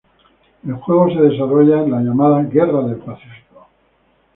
El juego se desarrolla en la llamada Guerra del Pacífico.